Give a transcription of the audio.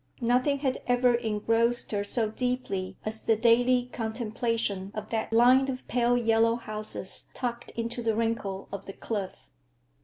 Nothing had ever engrossed her so deeply as the daily contemplation of that line of pale yellow houses tucked into the wrinkle of the cliff.